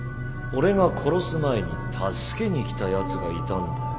俺が殺す前に助けに来たやつがいたんだよ